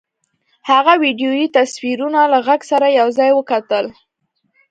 هغه ويډيويي تصويرونه له غږ سره يو ځای وکتل.